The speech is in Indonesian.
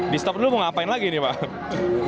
di stop dulu mau ngapain lagi nih pak